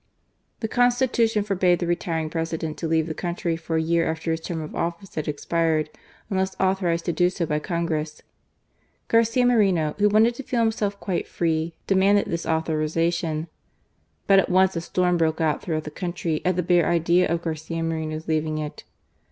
The Constitution forbade the retiring President to leave the country for a year after his term of office had expired, unless authorized to do so by Congress. Garcia Moreno, who wanted to feel himself quite free, demanded this authorization. But at once a storm broke out throughout the country at the bare idea of Garcia Moreno's leaving it.